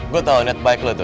gue tau niat baik lo tuh